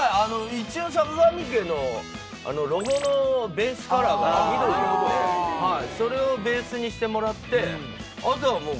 一応さかがみ家のロゴのベースカラーが緑なのでそれをベースにしてもらってあとは。